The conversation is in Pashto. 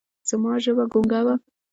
زما ژبه ګونګه وه ـ